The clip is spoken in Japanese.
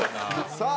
さあ